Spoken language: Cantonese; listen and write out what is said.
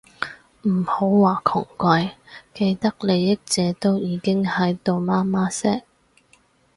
唔好話窮鬼，既得利益者都已經喺度媽媽聲